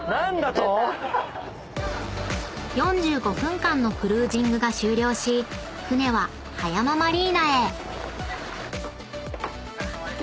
［４５分間のクルージングが終了し船は葉山マリーナへ］